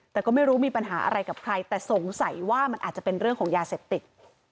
แต่ก็ไม่รู้มีปัญหาอะไรกับใครแต่สงสัยว่ามันอาจจะเป็นเรื่องของยาเสพติด